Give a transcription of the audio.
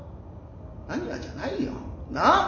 何がじゃないよ。なあ？